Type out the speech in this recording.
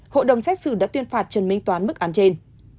hội đồng xét xử đã tuyên phạt trần minh toán mức án trên